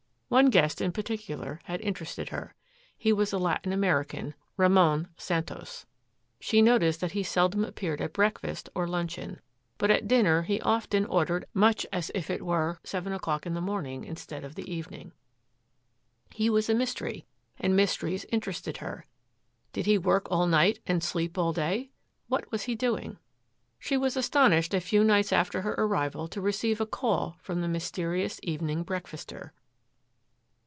One guest in particular had interested her. He was a Latin American, Ramon Santos. She noticed that he seldom appeared at breakfast or luncheon. But at dinner he often, ordered much as if it were seven o'clock in the morning instead of the evening. He was a mystery and mysteries interested her. Did he work all night and sleep all day? What was he doing? She was astonished a few nights after her arrival to receive a call from the mysterious evening breakfaster.